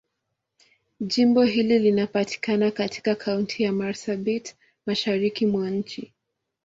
Jimbo hili linapatikana katika Kaunti ya Marsabit, Mashariki mwa nchi.